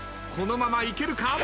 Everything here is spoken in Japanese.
このままいけるか？